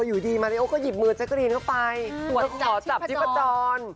โอ๊ยอยู่ดีมริโอก็หยิบมือี่เจ๊กะดินเข้าไปตรวจจับชิบประจอน